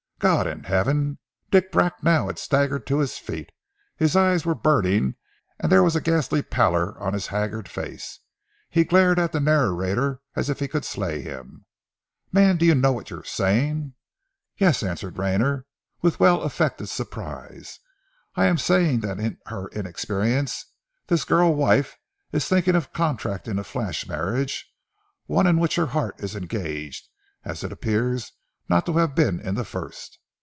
"God in heaven!" Dick Bracknell had staggered to his feet. His eyes were burning and there was a ghastly pallor on his haggard face. He glared at the narrator as if he could slay him. "Man, do you know what you are saying?" "Yes," answered Rayner, with well affected surprise. "I am saying that in her inexperience this girl wife is thinking of contracting a flesh marriage, one in which her heart is engaged, as it appears not to have been in the first.